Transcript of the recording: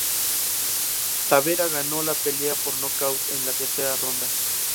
Tabera ganó la pelea por nocaut en la tercera ronda.